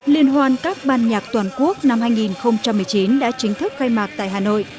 liên hoan các ban nhạc toàn quốc năm hai nghìn một mươi chín đã chính thức khai mạc tại hà nội